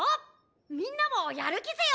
みんなもやるきぜよ！